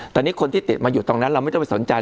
ตอนนี้คนที่ติดมาอยู่ตรงนั้นเราไม่ต้องไปสนใจ